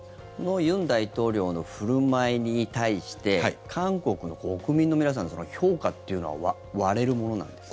尹大統領の振る舞いに対して韓国の国民の皆さんの評価っていうのは割れるものなんですか。